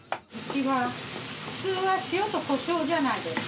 普通は塩とコショウじゃないですか。